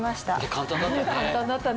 簡単だったね。